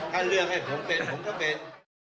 ถ้าเลือกให้ผมเป็นผมก็เป็น